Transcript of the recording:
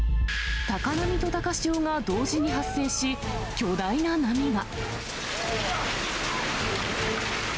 高波と高潮が同時に発生し、巨大な波が。